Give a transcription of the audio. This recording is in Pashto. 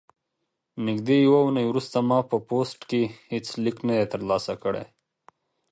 نږدې یوه اونۍ وروسته ما په پوسټ کې هیڅ لیک نه دی ترلاسه کړی.